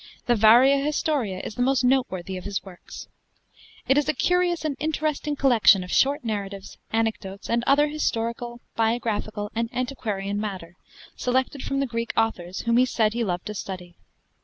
The 'Varia Historia' is the most noteworthy of his works. It is a curious and interesting collection of short narratives, anecdotes, and other historical, biographical, and antiquarian matter, selected from the Greek authors whom he said he loved to study.